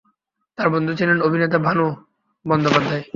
তার বন্ধু ছিলেন অভিনেতা ভানু বন্দ্যোপাধ্যায়।